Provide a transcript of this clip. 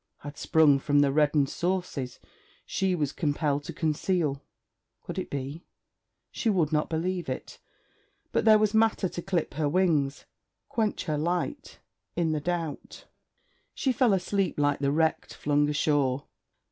had sprung from the reddened sources she was compelled to conceal? Could it be? She would not believe it. But there was matter to clip her wings, quench her light, in the doubt. She fell asleep like the wrecked flung ashore.